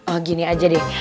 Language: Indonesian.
oh gini aja deh